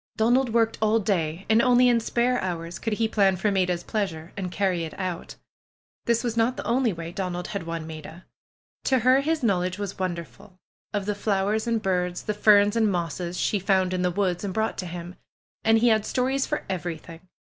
Donald worked all day and only in spare hours could he plan for Maida's pleasure and carry it out. This was not the only way Donald had won Maida. To her his knowledge was wonderful — of the flowers and birds, the ferns and mosses she found in the woods and brought to him. And he had stories for every thing.